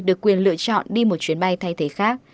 được quyền lựa chọn đi một chuyến bay thay thế khác